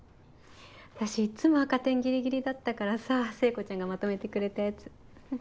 私いっつも赤点ギリギリだったからさ聖子ちゃんがまとめてくれたやつ。